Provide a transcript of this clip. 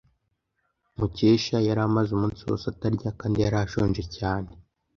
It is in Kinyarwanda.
Mukesha yari amaze umunsi wose atarya kandi yari ashonje cyane.